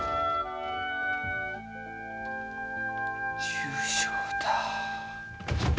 重症だ。